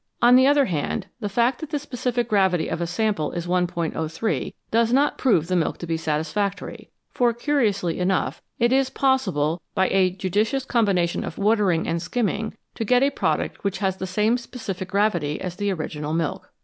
On the other hand, the fact that the specific gravity of a sample is 1'03, does not prove the milk to be satisfactory ; for, curiously enough, it is possible, by a judicious combination of watering and skimming, to get a product which has the same specific gravity as the original milk.